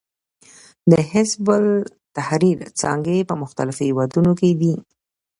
د حزب التحریر څانګې په مختلفو هېوادونو کې دي.